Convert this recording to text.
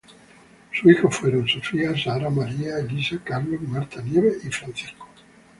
Sus hijos fueron: Sofía, Sara, María, Elisa, Carlos, Marta, Nieves y Francisco.